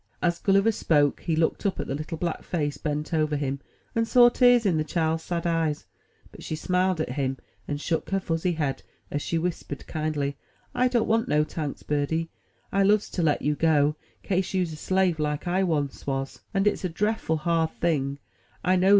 As Gulliver spoke, he looked up at the little black face bent over him, and saw tears in the child's sad eyes; but she smiled at him, and shook her fuzzy head, as she whispered kindly: "I don't want no tanks, birdie: I loves to let you go, kase you's a slave, like I was once; and it's a dreffle hard ting, I knows.